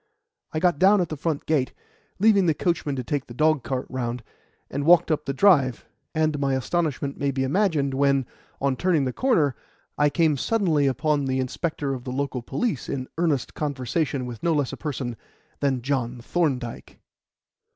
I got down at the front gate, leaving the coachman to take the dogcart round, and walked up the drive; and my astonishment may be imagined when, on turning the corner, I came suddenly upon the inspector of the local police in earnest conversation with no less a person than John Thorndyke.